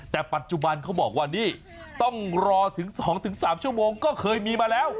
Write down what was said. แต่ปัจจุบันเขาบอกว่านี่ต้องรอถึง๒๓ชั่วโมงก็เคยมีมาแล้ว